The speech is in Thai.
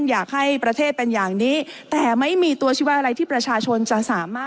อยากให้ประเทศเป็นอย่างนี้แต่ไม่มีตัวชีวอะไรที่ประชาชนจะสามารถ